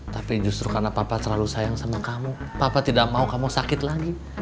tapi justru karena papa terlalu sayang sama kamu papa tidak mau kamu sakit lagi